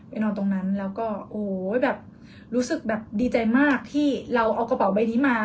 นอนตรงนั้นแล้วก็โอ้ยแบบรู้สึกแบบดีใจมากที่เราเอากระเป๋าใบนี้มา